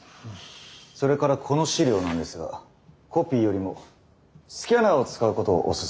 それからこの資料なんですがコピーよりもスキャナーを使うことをお勧めします。